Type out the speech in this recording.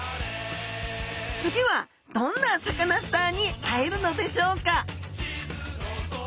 次はどんなサカナスターに会えるのでしょうか？